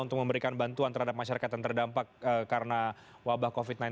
untuk memberikan bantuan terhadap masyarakat yang terdampak karena wabah covid sembilan belas